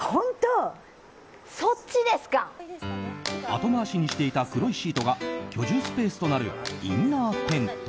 後回しにしていた黒いシートが居住スペースとなるインナーテント。